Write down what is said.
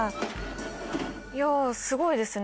いやあすごいですね。